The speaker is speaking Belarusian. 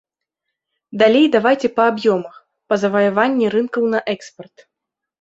Далей давайце па аб'ёмах, па заваяванні рынкаў на экспарт.